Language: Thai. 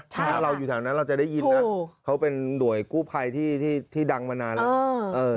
ถ้าเราอยู่แถวนั้นเราจะได้ยินนะเขาเป็นหน่วยกู้ภัยที่ดังมานานแล้ว